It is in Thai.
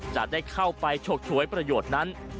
จะได้เข้าไปฉกฉวยประโยชน์นั้น